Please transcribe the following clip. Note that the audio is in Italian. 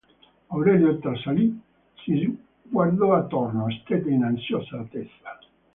Aurelio trasalì, si guardò attorno, stette in ansiosa attesa.